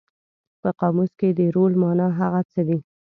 په قاموس کې د رول مانا هغه څه دي.